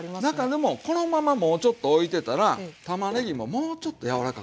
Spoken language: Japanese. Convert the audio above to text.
でもこのままもうちょっとおいてたらたまねぎももうちょっと柔らかくなる。